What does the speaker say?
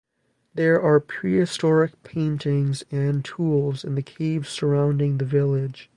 There are prehistoric paintings and tools in the caves surrounding the village.